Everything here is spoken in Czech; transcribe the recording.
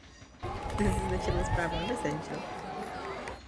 Okolní krajina je mírně kopcovitá a zalesněná.